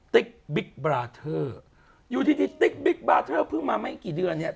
ติ๊กบิ๊กบราเทอร์อยู่ดีติ๊กบิ๊กบาร์เทอร์เพิ่งมาไม่กี่เดือนเนี่ย